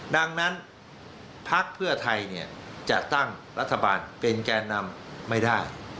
ดังนั้นพักเพื่อไทยจะตั้งรัฐบาลเป็นแก่นำไม่ได้